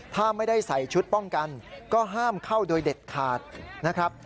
ถ้าไม่ได้ใส่ชุดป้องกันก็ห้ามเข้าโดยเด็ดขาดนะครับ